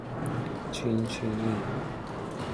چین چینی